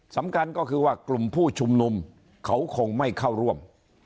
สำคัญก็คือว่ากลุ่มผู้ชุมนุมเขาคงไม่เข้าร่วม